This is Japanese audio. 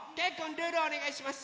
ルールおねがいします。